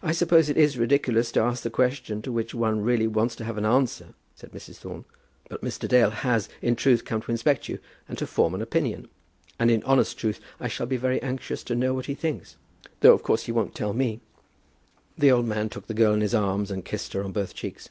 "I suppose it is ridiculous to ask the question to which one really wants to have an answer," said Mrs. Thorne. "But Mr. Dale has, in truth, come to inspect you, and to form an opinion; and, in honest truth, I shall be very anxious to know what he thinks, though, of course, he won't tell me." The old man took the girl in his arms, and kissed her on both cheeks.